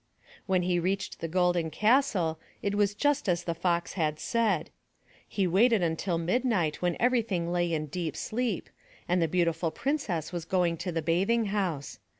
When he reached the Golden Castle, it was just as the Fox had said. He waited until midnight when everything lay in deep sleep, and the Beautiful Princess was going to the bathing house.